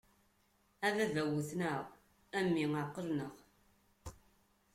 A baba wwten-aɣ, a mmi ɛeqlen-aɣ.